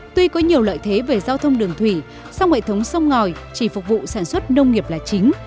tuy có nhiều lợi thế về giao thông đường thủy song hệ thống sông ngòi chỉ phục vụ sản xuất nông nghiệp là chính